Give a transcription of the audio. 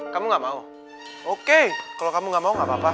kamu gak mau oke kalau kamu gak mau gak apa apa